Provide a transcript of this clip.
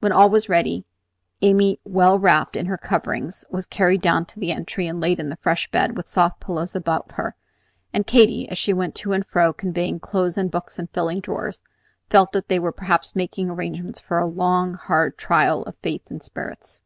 When all was ready, Amy, well wrapped in her coverings, was carried down the entry and laid in the fresh bed with the soft pillows about her; and Katy, as she went to and fro, conveying clothes and books and filling drawers, felt that they were perhaps making arrangements for a long, hard trial of faith and spirits.